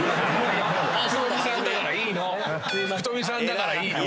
福冨さんだからいいの。